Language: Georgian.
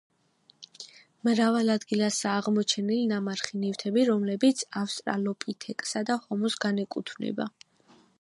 მრავალ ადგილასაა აღმოჩენილი ნამარხი ნივთები, რომლებიც ავსტრალოპითეკსა და ჰომოს განეკუთვნება.